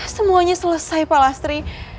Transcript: semuanya selesai pak lasri